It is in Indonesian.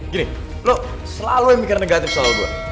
gini lo selalu yang mikir negatif soal gue